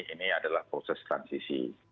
ini adalah proses transisi